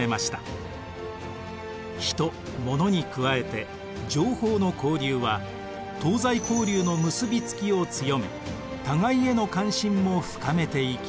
人ものに加えて情報の交流は東西交流の結びつきを強め互いへの関心も深めていきました。